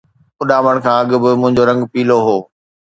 اڏامڻ کان اڳ به منهنجو رنگ پيلو هو